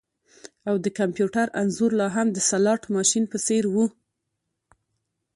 او د کمپیوټر انځور لاهم د سلاټ ماشین په څیر و